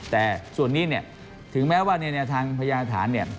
แต่ส่วนนี้ถึงแม้ว่าในเนื้อทางพยาฐาน